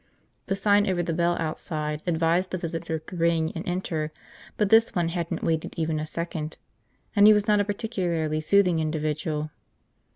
The sign over the bell outside advised the visitor to ring and enter but this one hadn't waited even a second. And he was not a particularly soothing individual.